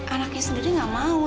anaknya sendiri gak mau